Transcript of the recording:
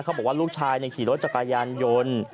เขาบอกว่าลูกชายขี่รถจากกายารยนต์